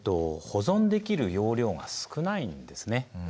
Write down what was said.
保存できる容量が少ないんですね。